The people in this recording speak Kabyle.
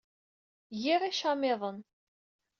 Giɣ icamiḍen.